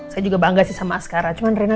saya juga bangga sih sama askara cuman rina